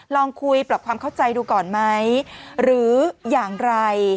ลองคุยปรับความเข้าใจดูก่อนไหมหรืออย่างไร